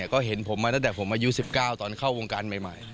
ก็เห็นผมมาตั้งแต่ผมอายุ๑๙ตอนเข้าวงการใหม่